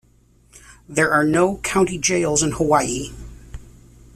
There are no county jails in Hawaii.